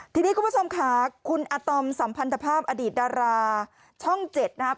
ทีนี้คุณผู้ชมค่ะคุณอาตอมสัมพันธภาพอดีตดาราช่อง๗นะครับ